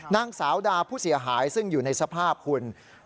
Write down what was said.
นางสาวดาผู้เสียหายซึ่งอยู่ในสภาพคุณ